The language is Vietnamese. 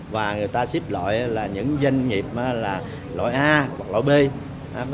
và người ta ship loại là những doanh nghiệp loại a hoặc loại b